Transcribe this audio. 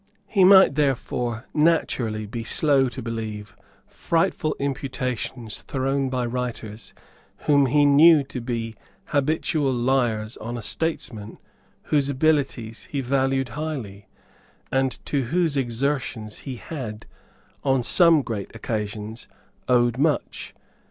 He might therefore naturally be slow to believe frightful imputations thrown by writers whom he knew to be habitual liars on a statesman whose abilities he valued highly, and to whose exertions he had, on some great occasions, owed much.